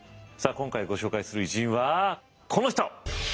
今回ご紹介する偉人はこの人。